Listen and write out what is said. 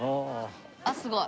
あっすごい！